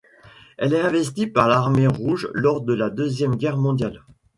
Elle est investie par l'armée rouge lors de la Deuxième Guerre mondiale.